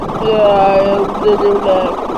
勒韦尔库尔。